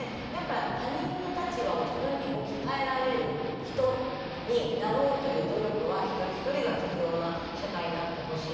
他人の立場を自分に置き換えられる人になろうという努力は一人一人が必要な社会になってほしい。